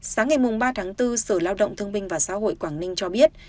sáng ngày ba tháng bốn sở lao động thương binh và xã hội quảng ninh cho biết